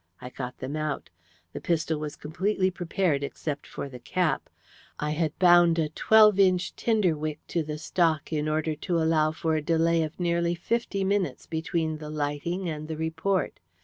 I got them out. The pistol was completely prepared except for the cap. I had bound a twelve inch tinder wick to the stock in order to allow for a delay of nearly fifty minutes between the lighting and the report.